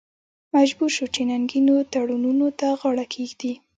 مجبور شو چې ننګینو تړونونو ته غاړه کېږدي.